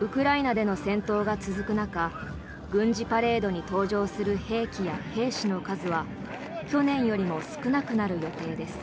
ウクライナでの戦闘が続く中軍事パレードに登場する兵器や兵士の数は去年よりも少なくなる予定です。